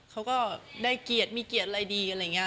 เขาก็ได้เกียรติมีเกียรติอะไรดีอะไรอย่างนี้